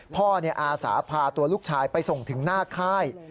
อาสาพาตัวลูกชายไปส่งถึงหน้าค่าย